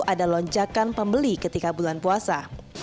ada lonjakan pembeli ketika bulan puasa